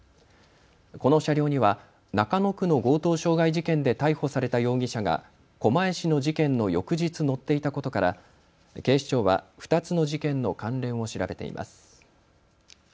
この車両には中野区の強盗傷害事件で逮捕された容疑者が狛江市の事件の翌日乗っていたことから警視庁は２つの事件の関連を調べています。